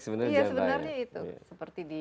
sebenarnya itu seperti di